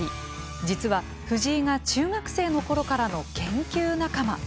実は、藤井が中学生のころからの研究仲間。